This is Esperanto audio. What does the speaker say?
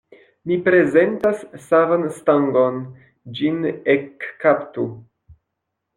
Mi prezentas savan stangon; ĝin ekkaptu.